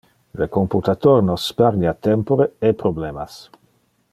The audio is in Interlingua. Le computator nos sparnia tempore e problemas.